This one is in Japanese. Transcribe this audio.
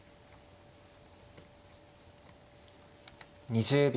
２０秒。